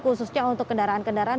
khususnya untuk kendaraan kendaraan